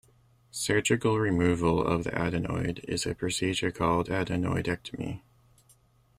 Surgical removal of the adenoid is a procedure called adenoidectomy.